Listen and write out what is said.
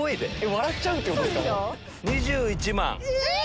笑っちゃうってこと⁉え